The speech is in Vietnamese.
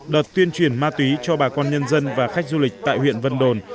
đợt tuyên truyền ma túy cho bà con nhân dân và khách du lịch tại huyện vân đồn